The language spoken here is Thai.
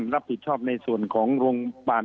รับผิดชอบในส่วนของโรงพยาบาล